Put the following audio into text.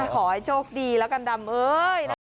ขอให้โชคดีแล้วกันดำเอ้ยนะคะ